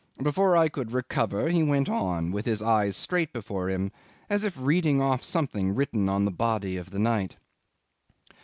Before I could recover he went on, with his eyes straight before him, as if reading off something written on the body of the night.